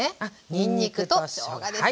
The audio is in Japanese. にんにくとしょうがですね。